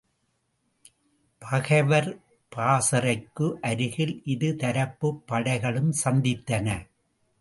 பகைவர் பாசறைக்கு அருகில் இரு தரப்புப் படைகளும் சந்தித்தன.